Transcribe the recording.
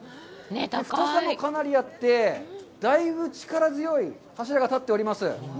太さもかなりあって、だいぶ力強い柱が建っております。